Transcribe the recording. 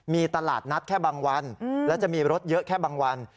มีตลาดนัดแค่บางวันและจะมีรถเยอะแค่บางวัน